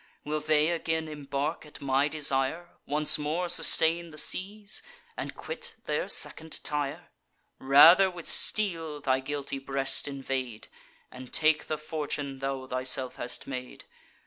Will they again embark at my desire, Once more sustain the seas, and quit their second Tyre? Rather with steel thy guilty breast invade, And take the fortune thou thyself hast made.